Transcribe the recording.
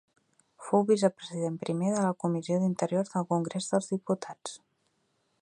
Fou vicepresident Primer de la Comissió d'Interior del Congrés dels Diputats.